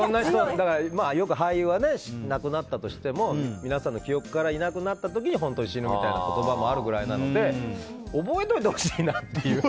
だからよく俳優は亡くなったとしても皆さんの記憶からいなくなった時に本当に死ぬみたいな言葉もあるくらいなので覚えておいてほしいなっていう。